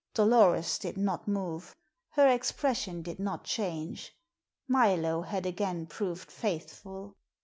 Dolores did not move. Her expression did not change. Milo had again proved faithful.